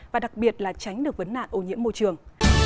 và đặc biệt là tránh được vấn nạn ô nhiễm môi trường